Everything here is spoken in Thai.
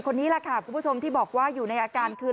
คนนี้แหละค่ะคุณผู้ชมที่บอกว่าอยู่ในอาการคือ